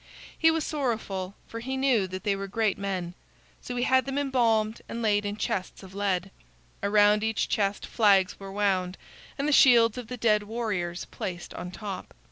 He was sorrowful, for he knew that they were great men. So he had them embalmed and laid in chests of lead. Around each chest flags were wound, and the shields of the dead warriors placed on top.